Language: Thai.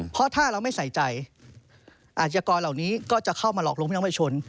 เพราะถ้าเราไม่ใส่ใจอาชญกรเหล่านี้ก็จะเข้ามาหลอกลวงพี่น้องประชาชน